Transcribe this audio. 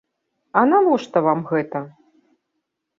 А навошта вам гэта?